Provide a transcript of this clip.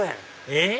えっ？